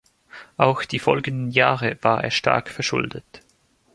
Auch die folgenden Jahre war er stark verschuldet.